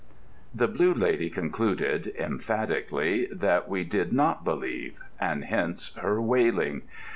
The Blue Lady concluded, emphatically, that we did not believe; and hence her wailing.